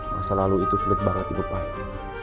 masa lalu itu sulit banget dilupain